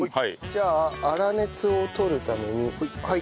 じゃあ粗熱をとるためにはい。